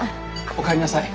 お帰りなさい。